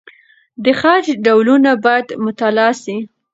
د خج ډولونه باید مطالعه سي.